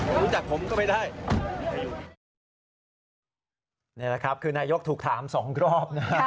เมื่อวานก็เข้าอยู่หนังสือต่อนายสมศัตริย์เทพสุธิน